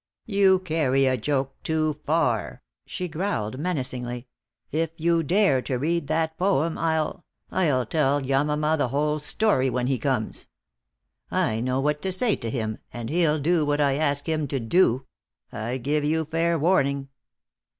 "You carry a joke too far," she growled, menacingly. "If you dare to read that poem I'll I'll tell Yamama the whole story when he comes. I know what to say to him, and he'll do what I ask him to do. I give you fair warning."